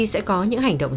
sẽ có những hành động